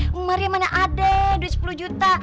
umi maryam mana ada duit sepuluh juta